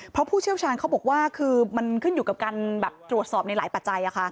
เพราะผู้เชี่ยวชาญเขาบอกว่าคือมันขึ้นอยู่กับการตรวจสอบในหลายปัจจัย